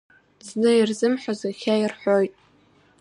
Зны ирзымҳәоз иахьа ирҳәоит.